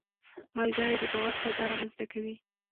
ملګری د باور فضا رامنځته کوي